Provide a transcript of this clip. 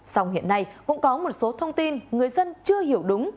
song hiện nay cũng có một số thông tin người dân chưa hiểu đúng